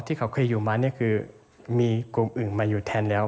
ที่เขาเคยอยู่มานี่คือมีกลุ่มอื่นมาอยู่แทนแล้ว